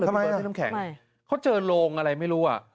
ทำไมอ่ะเขาเจอโรงอะไรไม่รู้อ่ะ